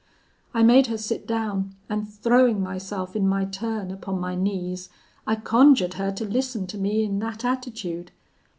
"I made her sit down, and throwing myself, in my turn, upon my knees, I conjured her to listen to me in that attitude.